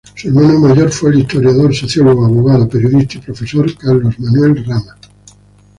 Su hermano mayor fue el historiador, sociólogo, abogado, periodista y profesor Carlos Manuel Rama.